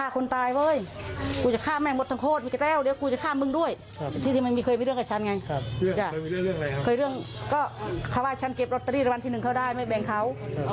เคยเรื่องคำว่าฉันเก็บรอตเตอรี่รวรรมันที๑เข้าได้ไม่แบงเขา